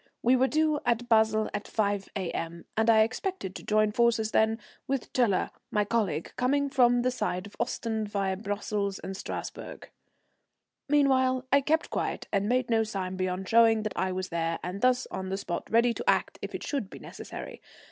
We were due at Basle at 5 A.M., and I expected to join forces then with Tiler, my colleague, coming from the side of Ostend, via Brussels and Strasburg. Meanwhile I kept quiet and made no sign beyond showing that I was there and on the spot ready to act if it should be necessary.